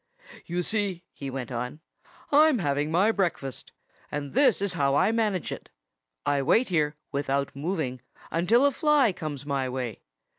"You see," he went on, "I'm having my breakfast. And this is how I manage it: I wait here without moving until a fly comes my way.